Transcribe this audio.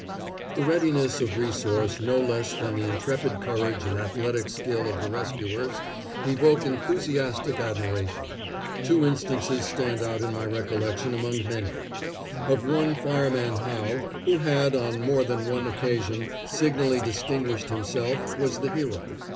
The readiness of resource no less than the intrepid courage and athletic skill of the rescuers evoke enthusiastic admiration. Two instances stand out in my recollection among many. Of one Fireman Howe, who had on more than one occasion signally distinguished himself, was the hero.